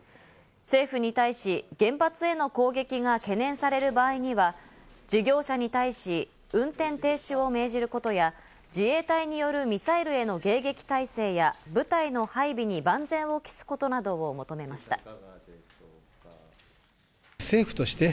政府に対し原発への攻撃が懸念される場合には、事業者に対し、運転停止を命じることや自衛隊によるミサイルへの迎撃態勢や部隊の配備に万全を期すことなどを求めました。